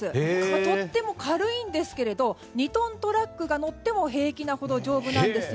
とても軽いんですけれど２トントラックが乗っても平気なほど上部なんですよ。